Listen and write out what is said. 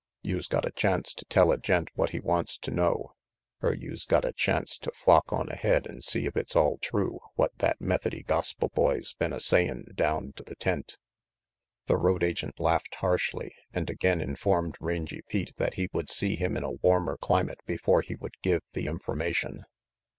Youse got a chance to tell a gent what he wants to know, er youse got a chance to flock on ahead and see if it's all true what that Methody gospel boy's been a say in' down to the tent." The road agent laughed harshly and again informed Rangy Pete that he would see him in a warmer climate before he would give the information.